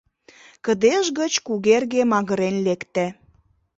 Кыдеж гыч Кугерге магырен лекте.